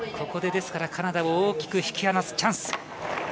ですから、ここでカナダを大きく引き離すチャンス。